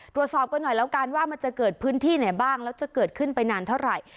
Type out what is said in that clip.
ตรวจสอบกันหน่อยแล้วกันว่ามันจะเกิดพื้นที่ไหนบ้างแล้วจะเกิดขึ้นไปนานเท่าไหร่